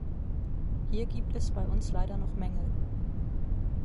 Hier gibt es bei uns leider noch Mängel.